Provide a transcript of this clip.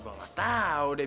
gue gak tau deh